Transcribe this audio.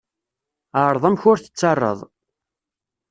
Ɛreḍ amek ur tettarraḍ.